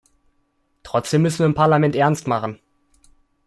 Trotzdem müssen wir im Parlament ernst machen.